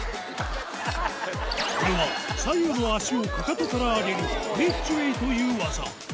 これは左右の足をかかとから上げる、ウィッチウェイという技。